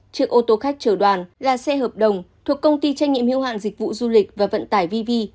trước ô tô khách trở đoàn là xe hợp đồng thuộc công ty trách nhiệm hiệu hạn dịch vụ du lịch và vận tải vivi